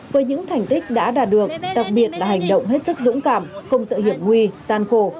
với những thành tích đã đạt được đặc biệt là hành động hết sức dũng cảm không sợ hiểm nguy gian khổ